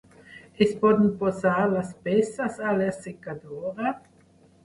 Es poden posar les peces a l'assecadora?